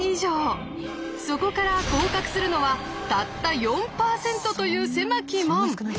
そこから合格するのはたった４％という狭き門！